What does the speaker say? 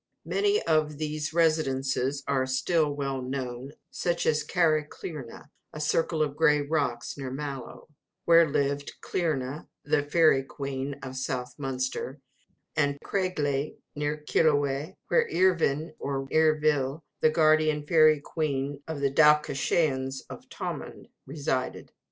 Many of these residences are still well known, such as Carrigcleena, a circle of grey rocks near Mallow, where lived Cleena, the fairy queen of south Munster; and Craglea, near Killaloe, where Eevin or Eevil, the guardian fairy queen of the Dalcassians of Thomond, resided.